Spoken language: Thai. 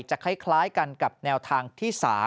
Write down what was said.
จะคล้ายกันกับแนวทางที่๓